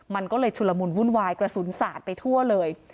มันก็เลยชุลมุนวุ่นวายกระสุนสาดไปทั่วเลย